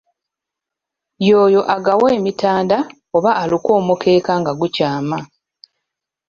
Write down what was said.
Y'oyo agawa emitanda oba aluka omukeeka nga gukyama.